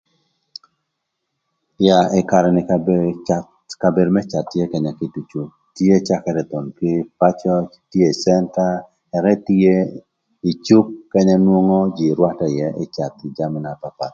Yaa, ï karë ni kabedo më cath tye kanya kiducu tye cakërë thon kï ï pacö, tye ï cënta, ëka tye ï cuk kanya nwongo jïï rwatërë ïë ï cadhö jami na papath.